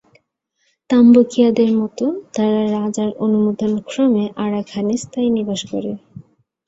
তামবুকিয়াদের মতো তারা রাজার অনুমোদনক্রমে আরাকানে স্থায়ী নিবাস গড়ে।